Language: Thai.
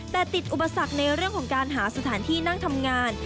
แต่ติดอุปสรรคในเรื่องของการหาสถานที่นั่งทำงาน